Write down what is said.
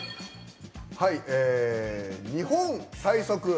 「日本最速！」。